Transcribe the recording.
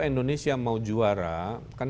indonesia mau juara kan